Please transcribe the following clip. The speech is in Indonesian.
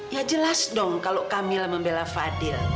ya jelas dong kalau kamil membela fadil